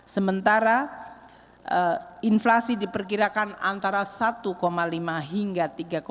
sementara inflasi diperkirakan antara satu lima hingga tiga empat